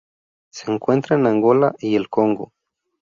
Se encuentra en Angola y el Congo.